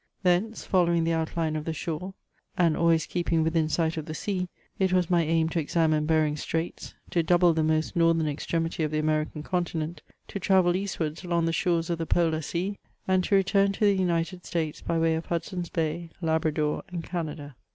Thence, following the outline of the shore, and always keeping within sight of the sea, it was my aim to examine Behring*s Straits, to double the most northern extremity of the American continent, to travel eastwards along the shores of the Polar Sea, and to re turn to the United States by way of Hudson's Bay, Labrador, and Canada.